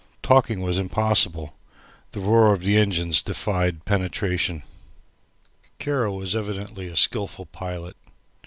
Talking was impossible. The roar of the engines defied penetration. Kara was evidently a skilful pilot.